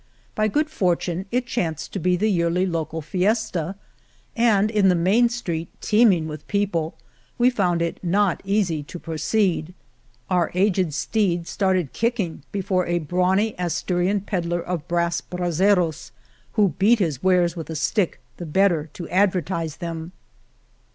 By good fortune it chanced to be the yearly local fiesta, and in the main street, teeming with people, we found it not easy to proceed. Our aged steed started kicking before a brawny Asturian pedler of brass 182 The Morena brazeros, who beat his wares with a stick the better to advertise them.